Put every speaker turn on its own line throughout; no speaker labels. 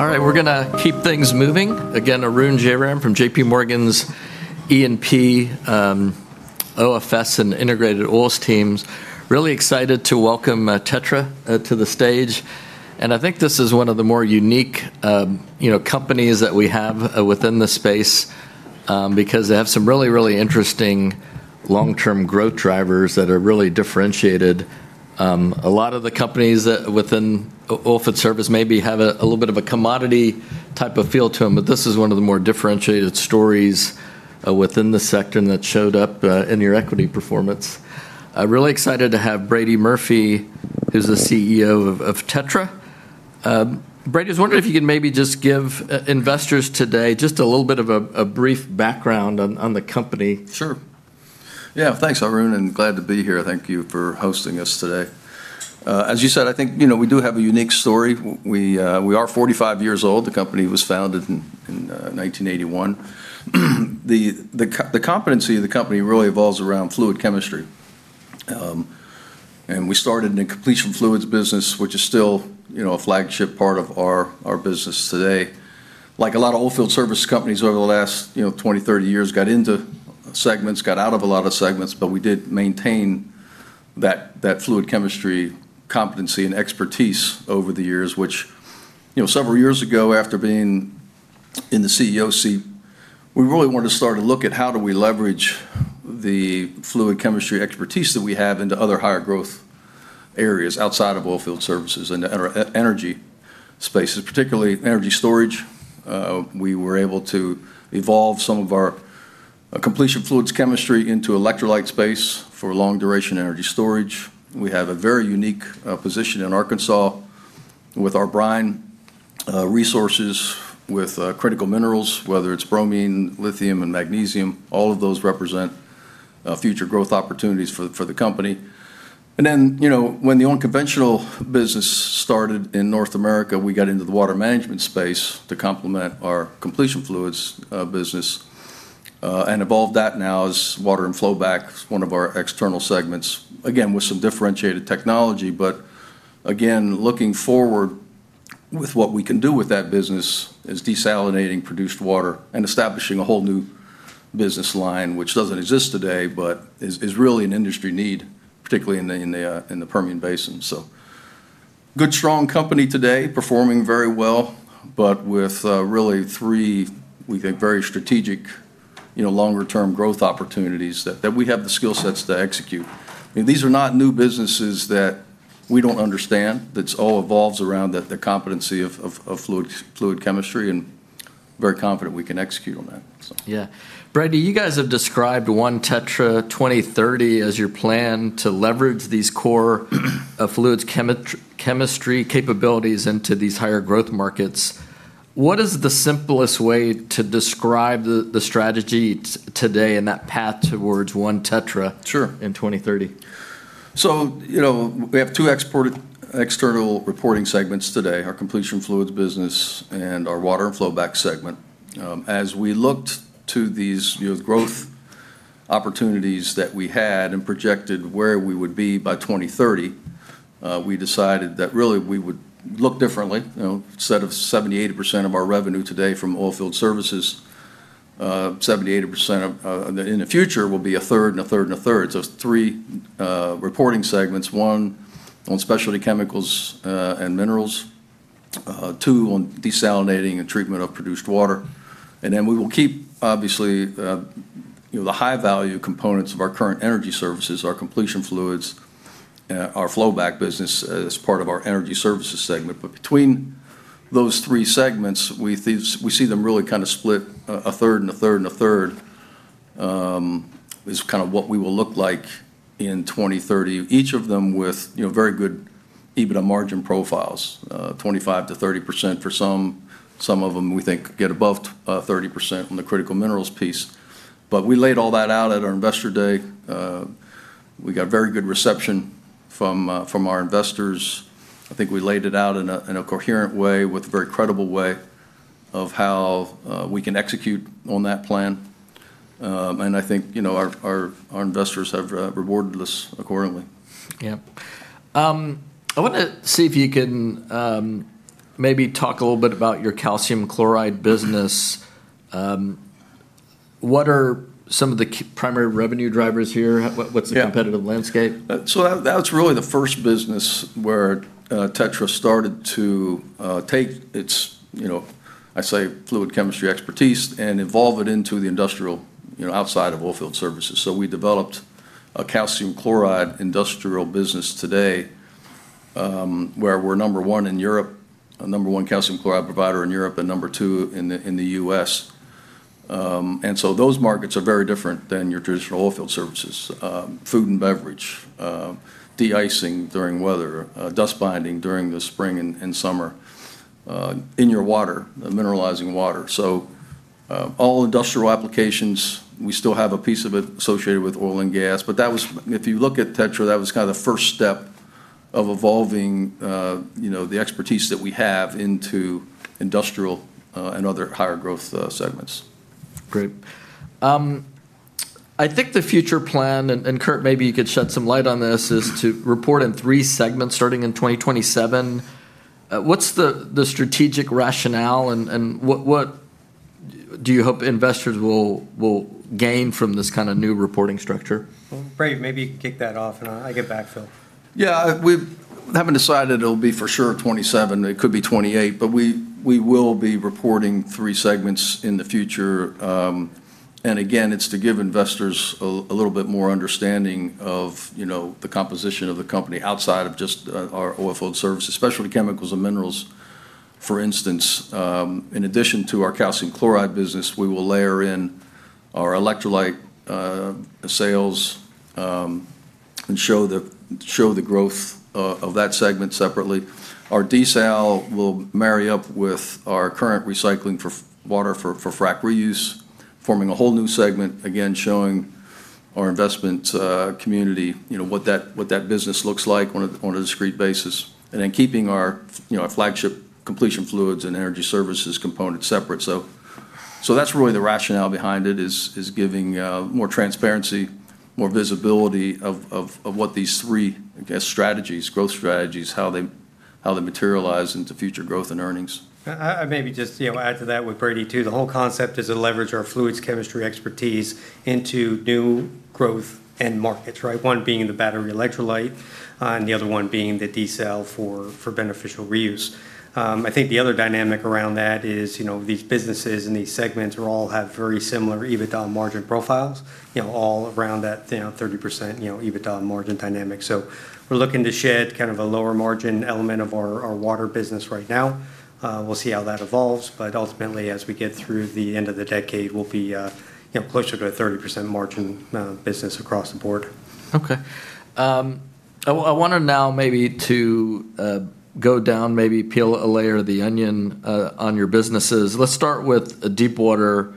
We're going to keep things moving. Again, Arun Jayaram from JPMorgan's E&P, OFS, and integrated oils teams. Really excited to welcome TETRA to the stage. I think this is one of the more unique companies that we have within the space, because they have some really, really interesting long-term growth drivers that are really differentiated. A lot of the companies within oilfield service maybe have a little bit of a commodity-type of feel to them, but this is one of the more differentiated stories within the sector, and that showed up in your equity performance. Really excited to have Brady Murphy, who's the CEO of TETRA. Brady, I was wondering if you could maybe just give investors today just a little bit of a brief background on the company.
Sure. Yeah, thanks, Arun, and glad to be here. Thank you for hosting us today. As you said, I think we do have a unique story. We are 45 years old. The company was founded in 1981. The competency of the company really revolves around fluid chemistry, and we started in the completion fluids business, which is still a flagship part of our business today. Like a lot of oilfield service companies over the last 20, 30 years, got into segments, got out of a lot of segments, but we did maintain that fluid chemistry competency and expertise over the years, which several years ago, after being in the CEO seat, we really wanted to start a look at how do we leverage the fluid chemistry expertise that we have into other higher growth areas outside of oilfield services and energy spaces, particularly energy storage. We were able to evolve some of our completion fluids chemistry into electrolyte space for long duration energy storage. We have a very unique position in Arkansas with our brine resources, with critical minerals, whether it's bromine, lithium, and magnesium. All of those represent future growth opportunities for the company. Then, when the unconventional business started in North America, we got into the water management space to complement our completion fluids business, and evolved that now as water and flowback as one of our external segments. Again, with some differentiated technology. Again, looking forward with what we can do with that business is desalinating produced water and establishing a whole new business line, which doesn't exist today, but is really an industry need, particularly in the Permian Basin. Good, strong company today, performing very well, but with really three, we think, very strategic longer term growth opportunities that we have the skill sets to execute. These are not new businesses that we don't understand. This all evolves around the competency of fluid chemistry, and very confident we can execute on that.
Yeah. Brady, you guys have described ONE TETRA 2030 as your plan to leverage these core fluids chemistry capabilities into these higher growth markets. What is the simplest way to describe the strategy today and that path towards ONE TETRA.
Sure.
In 2030?
We have two external reporting segments today, our completion fluids business and our water and flowback segment. As we looked to these growth opportunities that we had and projected where we would be by 2030, we decided that really we would look differently. Instead of 70%-80% of our revenue today from oilfield services, 70%-80% in the future will be a third and a third and a third. It is three reporting segments. One on specialty chemicals and minerals, two on desalinating and treatment of produced water. Then we will keep, obviously, the high-value components of our current energy services, our completion fluids, our flowback business as part of our energy services segment. Between those three segments, we see them really kind of split a third and a third and a third, is kind of what we will look like in 2030. Each of them with very good EBITDA margin profiles, 25%-30% for some. Some of them we think get above 30% on the critical minerals piece. We laid all that out at our investor day. We got very good reception from our investors. I think we laid it out in a coherent way, with a very credible way of how we can execute on that plan. I think our investors have rewarded us accordingly.
Yeah. I want to see if you can maybe talk a little bit about your calcium chloride business. What are some of the primary revenue drivers here? What's?
Yeah.
The competitive landscape?
That's really the first business where TETRA started to take its, I say fluid chemistry expertise, and evolve it into the industrial outside of oilfield services. We developed a calcium chloride industrial business today, where we're number one in Europe, number one calcium chloride provider in Europe, and number two in the U.S. Those markets are very different than your traditional oilfield services. Food and beverage, de-icing during weather, dust binding during the spring and summer, in your water, mineralizing water. All industrial applications, we still have a piece of it associated with oil and gas. If you look at TETRA, that was kind of the first step of evolving the expertise that we have into industrial and other higher growth segments.
Great. I think the future plan, and Kurt, maybe you could shed some light on this, is to report in three segments starting in 2027. What's the strategic rationale, and what do you hope investors will gain from this kind of new reporting structure?
Brady, maybe you can kick that off, and I'll get back feel in.
Yeah. We haven't decided it'll be for sure 2027. It could be 2028. We will be reporting three segments in the future. Again, it's to give investors a little bit more understanding of the composition of the company outside of just our oilfield service, especially chemicals and minerals, for instance. In addition to our calcium chloride business, we will layer in our electrolyte sales, and show the growth of that segment separately. Our desalination will marry up with our current recycling water for frack reuse, forming a whole new segment, again, showing our investment community what that business looks like on a discrete basis. Keeping our flagship completion fluids and energy services component separate. That's really the rationale behind it, is giving more transparency, more visibility of what these three growth strategies, how they materialize into future growth and earnings.
I maybe just add to that with Brady, too. The whole concept is to leverage our fluids chemistry expertise into new growth end markets, right? One being the battery electrolyte, and the other one being the desalination for beneficial reuse. I think the other dynamic around that is these businesses and these segments all have very similar EBITDA margin profiles, all around that 30% EBITDA margin dynamic. We're looking to shed kind of a lower margin element of our water business right now. We'll see how that evolves. Ultimately, as we get through the end of the decade, we'll be closer to a 30% margin business across the board.
Okay. I wanted now maybe to go down, maybe peel a layer of the onion on your businesses. Let's start with deep water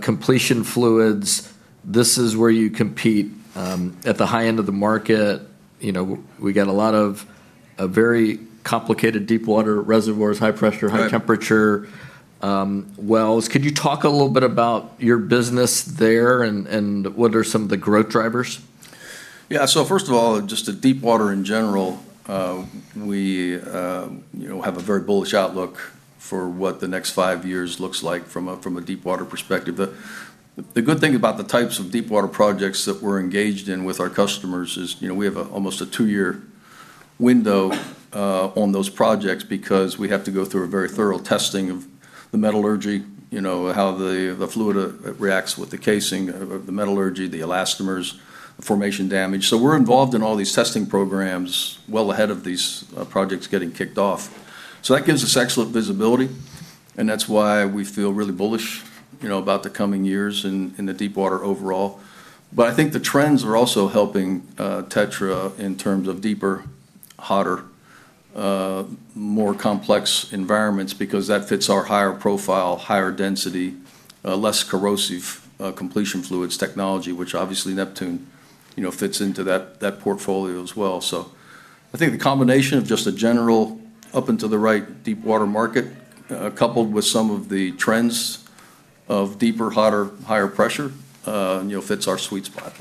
completion fluids. This is where you compete at the high end of the market. We got a lot of very complicated deep water reservoirs, high pressure.
Right.
High temperature wells. Could you talk a little bit about your business there, and what are some of the growth drivers?
Yeah. First of all, just the deep water in general. We have a very bullish outlook for what the next five years looks like from a deep water perspective. The good thing about the types of deep water projects that we're engaged in with our customers is we have almost a two-year window on those projects because we have to go through a very thorough testing of the metallurgy, how the fluid reacts with the casing of the metallurgy, the elastomers, the formation damage. We're involved in all these testing programs well ahead of these projects getting kicked off. That gives us excellent visibility, and that's why we feel really bullish about the coming years in the deep water overall. I think the trends are also helping TETRA in terms of deeper, hotter, more complex environments because that fits our higher profile, higher density, less corrosive completion fluids technology, which obviously Neptune fits into that portfolio as well. I think the combination of just a general up and to the right deep water market, coupled with some of the trends of deeper, hotter, higher pressure fits our sweet spot.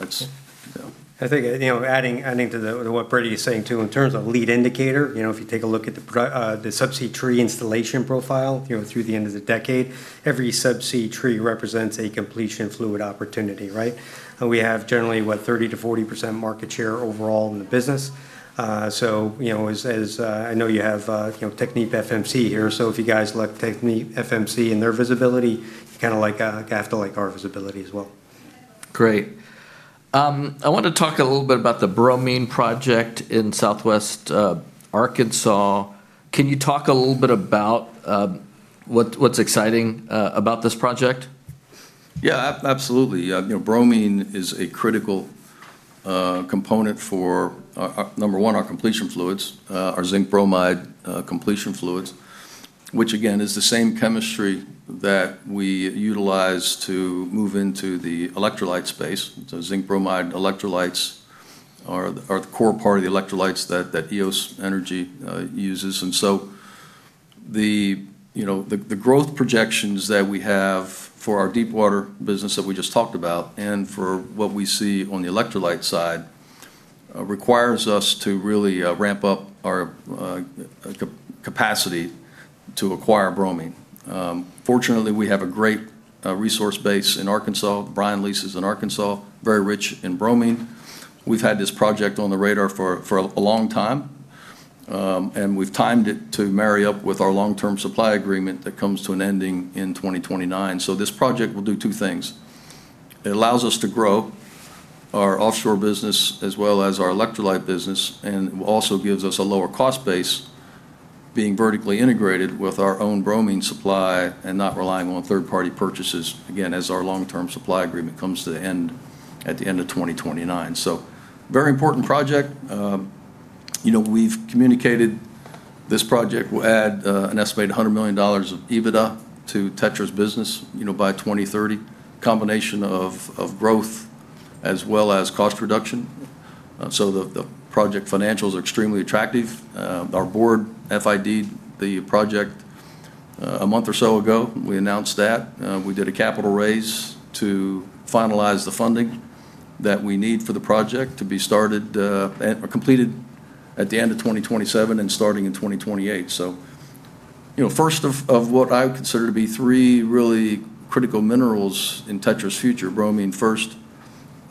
I think adding to what Brady is saying, too, in terms of lead indicator. If you take a look at the subsea tree installation profile through the end of the decade, every subsea tree represents a completion fluid opportunity, right? We have generally, what, 30%-40% market share overall in the business. As I know you have TechnipFMC plc here, if you guys like TechnipFMC plc and their visibility, you kind of have to like our visibility as well.
Great. I want to talk a little bit about the bromine project in Southwest Arkansas. Can you talk a little bit about what's exciting about this project?
Yeah, absolutely. Bromine is a critical component for, number one, our completion fluids, our zinc bromide completion fluids, which again, is the same chemistry that we utilize to move into the electrolyte space. Zinc bromide electrolytes are the core part of the electrolytes that Eos Energy uses. The growth projections that we have for our deepwater business that we just talked about, and for what we see on the electrolyte side, requires us to really ramp up our capacity to acquire bromine. Fortunately, we have a great resource base in Arkansas. Brine leases in Southwest Arkansas, very rich in bromine. We've had this project on the radar for a long time. We've timed it to marry up with our long-term supply agreement that comes to an ending in 2029. This project will do two things. It allows us to grow our offshore business as well as our electrolyte business, and also gives us a lower cost base being vertically integrated with our own bromine supply and not relying on third-party purchases, again, as our long-term supply agreement comes to an end at the end of 2029. Very important project. We've communicated this project will add an estimated $100 million of EBITDA to TETRA's business by 2030. Combination of growth as well as cost reduction. The project financials are extremely attractive. Our board FID'd the project a month or so ago, we announced that. We did a capital raise to finalize the funding that we need for the project to be started, or completed at the end of 2027 and starting in 2028. First of what I would consider to be three really critical minerals in TETRA's future, bromine first,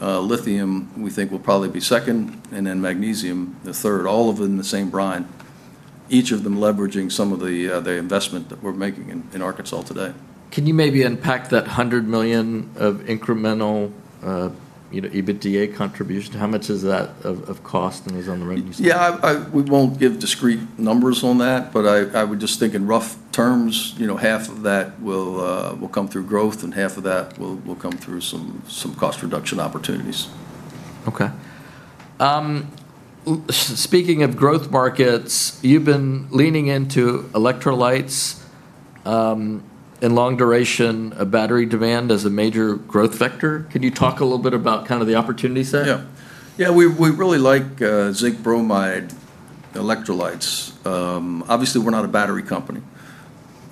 lithium we think will probably be second, and then magnesium the third, all of them the same brine. Each of them leveraging some of the investment that we're making in Arkansas today.
Can you maybe unpack that $100 million of incremental EBITDA contribution? How much is that of cost and is on the revenue side?
Yeah, we won't give discrete numbers on that. I would just think in rough terms, half of that will come through growth and half of that will come through some cost reduction opportunities.
Okay. Speaking of growth markets, you've been leaning into electrolytes, and long duration battery demand as a major growth vector. Can you talk a little bit about the opportunity set?
Yeah. Yeah, we really like zinc bromide electrolytes. Obviously, we're not a battery company,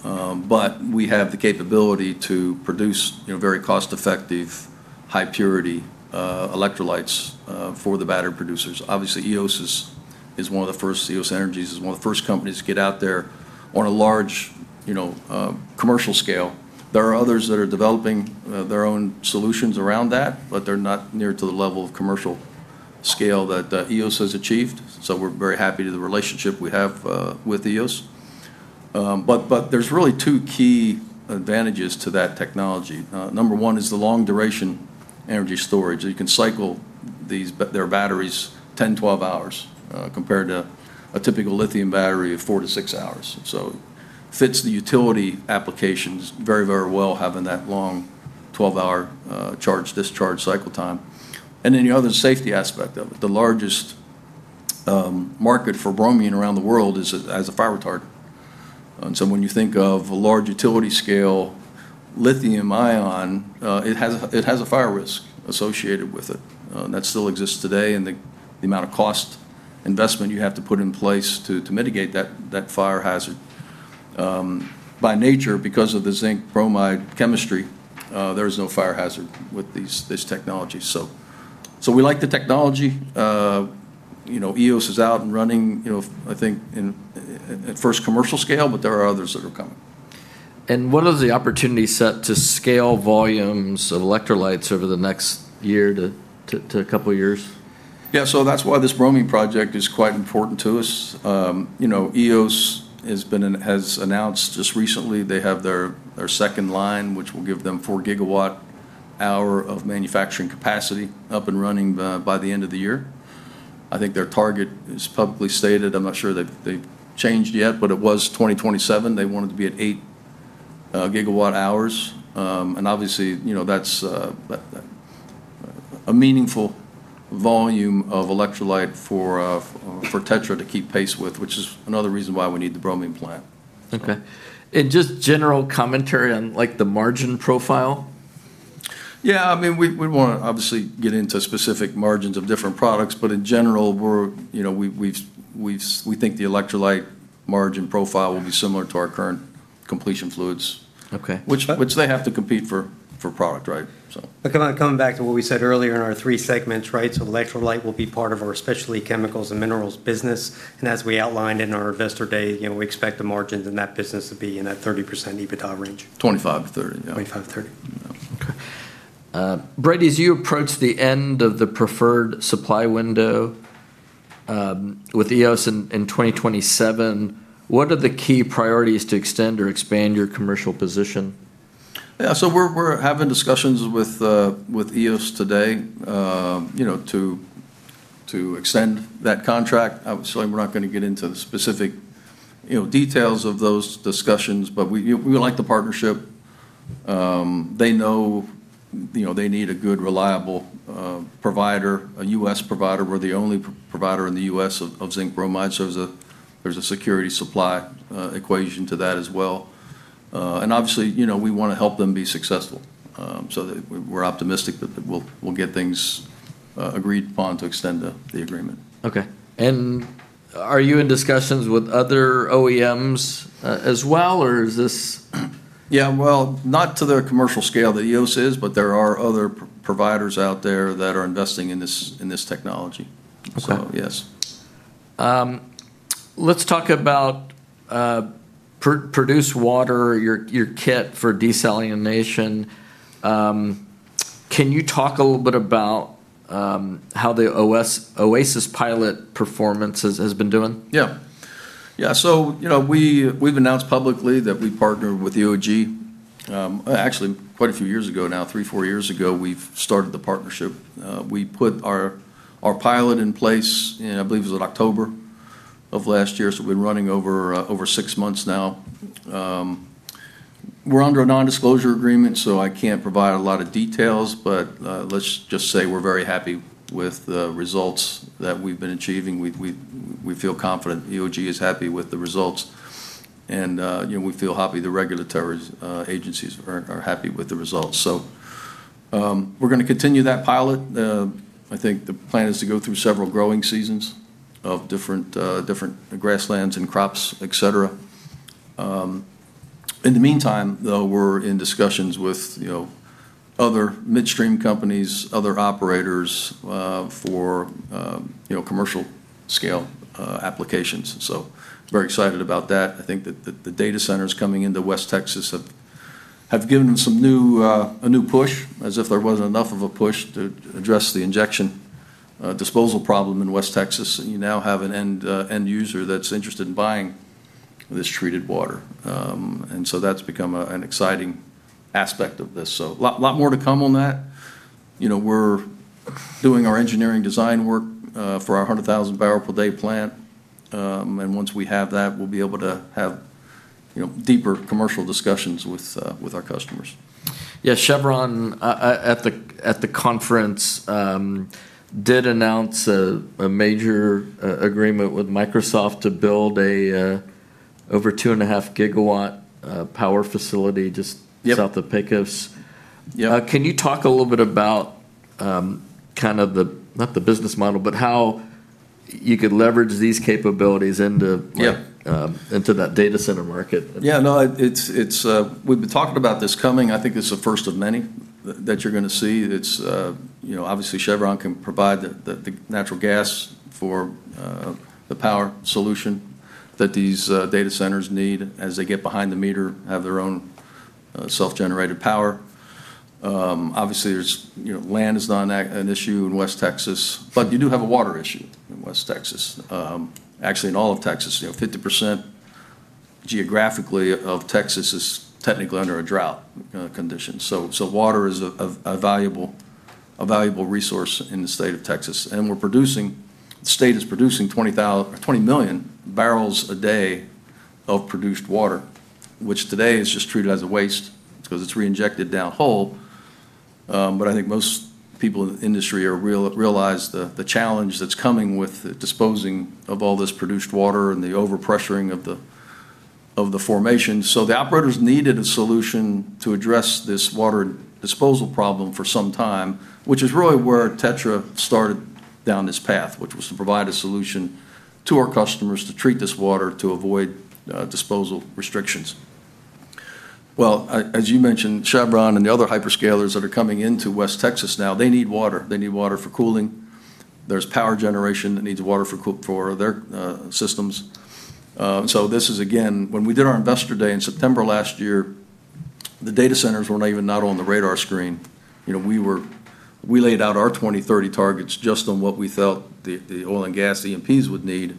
but we have the capability to produce very cost-effective, high purity electrolytes for the battery producers. Obviously, Eos is one of the first, Eos Energy is one of the first companies to get out there on a large commercial scale. There are others that are developing their own solutions around that, but they're not near to the level of commercial scale that Eos has achieved, so we're very happy with the relationship we have with Eos. There's really two key advantages to that technology. Number one is the long duration energy storage. You can cycle their batteries 10, 12 hours, compared to a typical lithium battery of four to six hours. Fits the utility applications very, very well having that long 12 hour charge-discharge cycle time. The other safety aspect of it. The largest market for bromine around the world is as a fire retardant. When you think of a large utility scale lithium ion, it has a fire risk associated with it. That still exists today in the amount of cost investment you have to put in place to mitigate that fire hazard. By nature, because of the zinc bromide chemistry, there is no fire hazard with these technologies. We like the technology. Eos is out and running, I think at first commercial scale, but there are others that are coming.
What are the opportunities set to scale volumes of electrolytes over the next year to a couple of years?
That's why this bromine project is quite important to us. Eos has announced just recently they have their second line, which will give them 4 GWh of manufacturing capacity up and running by the end of the year. I think their target is publicly stated. I am not sure they've changed yet, but it was 2027 they wanted to be at 8 GWh. Obviously, that's a meaningful volume of electrolyte for TETRA to keep pace with, which is another reason why we need the bromine plant.
Okay. Just general commentary on the margin profile?
Yeah, we won't obviously get into specific margins of different products, but in general, we think the electrolyte margin profile will be similar to our current completion fluids.
Okay.
Which they have to compete for product.
Coming back to what we said earlier in our three segments. Electrolyte will be part of our specialty chemicals and minerals business. As we outlined in our investor day, we expect the margins in that business to be in that 30% EBITDA range.
25%-30%.
25%-30%.
Okay. Brady, as you approach the end of the preferred supply window with Eos in 2027, what are the key priorities to extend or expand your commercial position?
Yeah, we're having discussions with Eos today to extend that contract. Obviously, we're not going to get into the specific details of those discussions, but we like the partnership. They know they need a good, reliable provider, a U.S. provider. We're the only provider in the U.S. of zinc bromide, there's a security supply equation to that as well. Obviously, we want to help them be successful. We're optimistic that we'll get things agreed upon to extend the agreement.
Okay. Are you in discussions with other OEMs as well?
Yeah, well, not to the commercial scale that Eos is, but there are other providers out there that are investing in this technology.
Okay.
Yes.
Let's talk about produced water, your kit for desalination. Can you talk a little bit about how the Oasis pilot performance has been doing?
Yeah. We've announced publicly that we've partnered with EOG, actually quite a few years ago now, three, four years ago, we've started the partnership. We put our pilot in place in, I believe it was in October of last year, we've been running over six months now. We're under a nondisclosure agreement, so I can't provide a lot of details, but let's just say we're very happy with the results that we've been achieving. We feel confident EOG is happy with the results. We feel happy the regulatory agencies are happy with the results. We're going to continue that pilot. I think the plan is to go through several growing seasons of different grasslands and crops, et cetera. In the meantime, though, we're in discussions with other midstream companies, other operators for commercial scale applications. Very excited about that. I think that the data centers coming into West Texas have given some new push, as if there wasn't enough of a push to address the injection disposal problem in West Texas. You now have an end user that's interested in buying this treated water. That's become an exciting aspect of this. A lot more to come on that. We're doing our engineering design work for our 100,000 barrel per day plant. Once we have that, we'll be able to have deeper commercial discussions with our customers.
Yeah, Chevron, at the conference, did announce a major agreement with Microsoft to build a over 2.5 GW power facility just-
Yep.
south of Pecos.
Yeah.
Can you talk a little bit about, not the business model, but how you could leverage these capabilities into-
Yeah.
into that data center market?
Yeah. No, we've been talking about this coming. I think this is the first of many that you're going to see. Obviously Chevron can provide the natural gas for the power solution that these data centers need as they get behind the meter, have their own self-generated power. Obviously, land is not an issue in West Texas, but you do have a water issue in West Texas. Actually in all of Texas, 50% geographically of Texas is technically under a drought condition. Water is a valuable resource in the state of Texas. The state is producing 20 million barrels a day of produced water, which today is just treated as a waste because it's reinjected down hole. I think most people in the industry realize the challenge that's coming with disposing of all this produced water and the overpressuring of the formation. The operators needed a solution to address this water disposal problem for some time, which is really where TETRA started down this path, which was to provide a solution to our customers to treat this water to avoid disposal restrictions. Well, as you mentioned, Chevron and the other hyperscalers that are coming into West Texas now, they need water. They need water for cooling. There's power generation that needs water for their systems. This is, again, when we did our investor day in September last year, the data centers were not on the radar screen. We laid out our 2030 targets just on what we felt the oil and gas E&Ps would need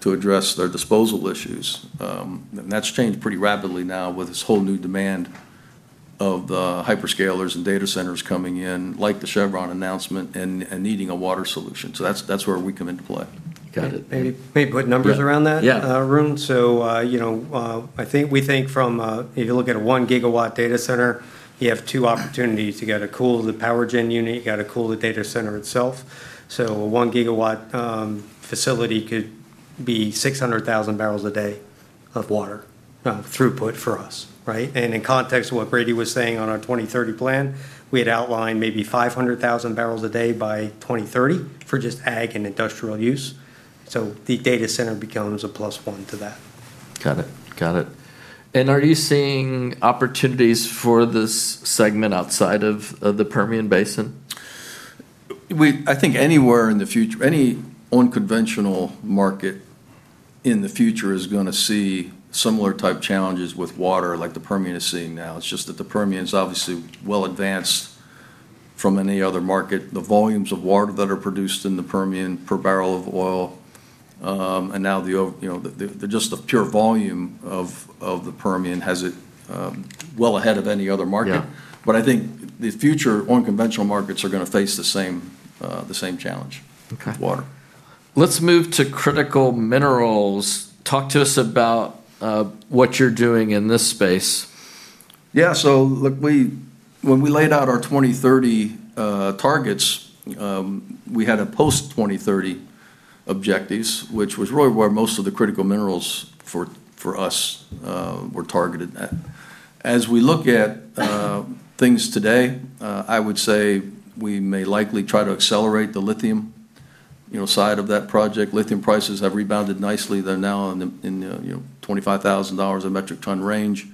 to address their disposal issues. That's changed pretty rapidly now with this whole new demand of the hyperscalers and data centers coming in, like the Chevron announcement, and needing a water solution. That's where we come into play.
Got it.
May I put numbers around that?
Yeah.
Arun. We think, if you look at a one gigawatt data center, you have two opportunities. You got to cool the power gen unit, you got to cool the data center itself. A one gigawatt facility could be 600,000 barrels a day of water throughput for us. Right? In context of what Brady was saying on our 2030 plan, we had outlined maybe 500,000 barrels a day by 2030 for just ag and industrial use. The data center becomes a plus one to that.
Got it. Are you seeing opportunities for this segment outside of the Permian Basin?
I think any unconventional market in the future is going to see similar type challenges with water like the Permian is seeing now. It's just that the Permian's obviously well advanced from any other market. The volumes of water that are produced in the Permian per barrel of oil, and now just the pure volume of the Permian has it well ahead of any other market.
Yeah.
I think the future unconventional markets are going to face the same challenge.
Okay.
Water.
Let's move to critical minerals. Talk to us about what you're doing in this space.
Look, when we laid out our 2030 targets, we had a post-2030 objectives, which was really where most of the critical minerals for us were targeted at. As we look at things today, I would say we may likely try to accelerate the lithium side of that project. Lithium prices have rebounded nicely. They're now in the $25,000 a metric ton range.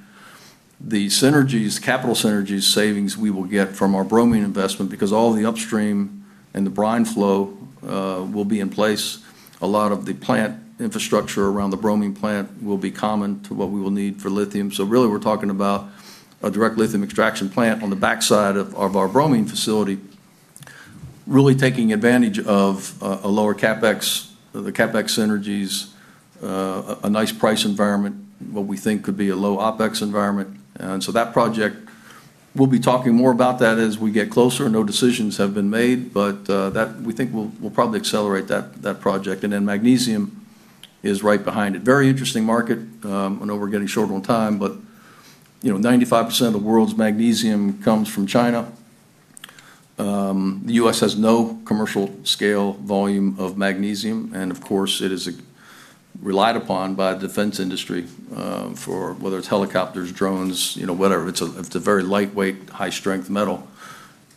The synergies, capital synergies savings we will get from our bromine investment because all the upstream and the brine flow will be in place. A lot of the plant infrastructure around the bromine plant will be common to what we will need for lithium. Really we're talking about a direct lithium extraction plant on the backside of our bromine facility, really taking advantage of a lower CapEx, the CapEx synergies, a nice price environment, what we think could be a low OpEx environment. That project, we'll be talking more about that as we get closer. No decisions have been made, we think we'll probably accelerate that project. Magnesium is right behind it. Very interesting market. I know we're getting short on time, 95% of the world's magnesium comes from China. The U.S. has no commercial scale volume of magnesium, and of course it is relied upon by the defense industry, for whether it's helicopters, drones, whatever. It's a very lightweight, high strength metal.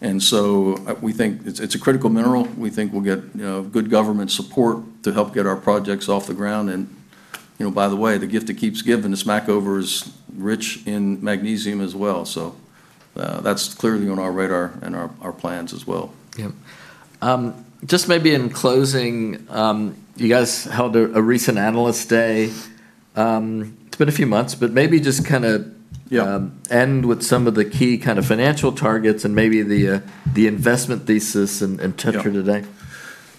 We think it's a critical mineral. We think we'll get good government support to help get our projects off the ground. By the way, the gift that keeps giving, the Smackover is rich in magnesium as well. That's clearly on our radar and our plans as well.
Yep. Just maybe in closing, you guys held a recent analyst day. It's been a few months, maybe just kind of-
Yeah.
end with some of the key kind of financial targets and maybe the investment thesis and-
Yeah.
TETRA today.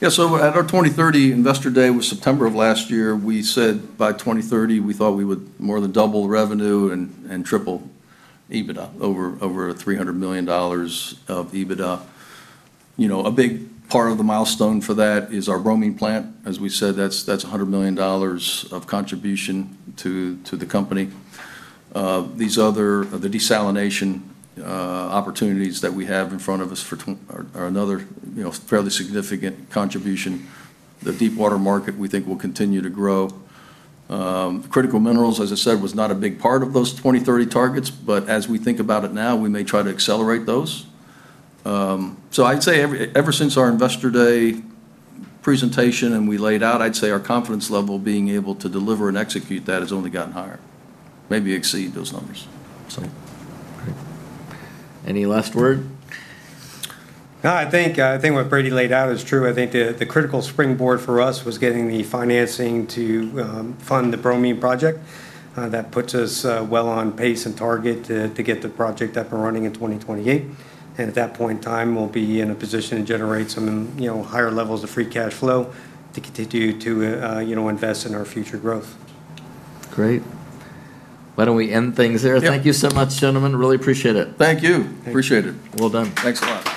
At our 2030 Investor Day, was September of last year, we said by 2030 we thought we would more than double revenue and triple EBITDA, over $300 million of EBITDA. A big part of the milestone for that is our bromine plant. As we said, that's $100 million of contribution to the company. The desalination opportunities that we have in front of us are another fairly significant contribution. The deep water market we think will continue to grow. Critical minerals, as I said, was not a big part of those 2030 targets, but as we think about it now, we may try to accelerate those. I'd say ever since our Investor Day presentation and we laid out our confidence level being able to deliver and execute that has only gotten higher. Maybe exceed those numbers.
Great. Any last word?
No, I think what Brady laid out is true. I think the critical springboard for us was getting the financing to fund the bromine project. That puts us well on pace and target to get the project up and running in 2028, and at that point in time, we'll be in a position to generate some higher levels of free cash flow to continue to invest in our future growth.
Great. Why don't we end things there?
Yeah.
Thank you so much, gentlemen. Really appreciate it.
Thank you.
Thank you.
Appreciate it.
Well done.
Thanks a lot.